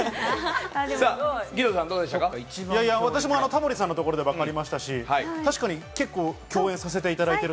私もタモリさんのところで分かりましたし、確かに結構共演させていただいて。